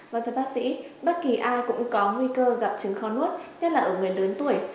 vâng thưa bác sĩ bất kỳ ai cũng có nguy cơ gặp trứng khó nuốt nhất là ở người lớn tuổi